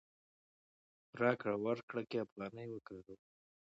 په راکړه ورکړه کې افغانۍ وکاروئ.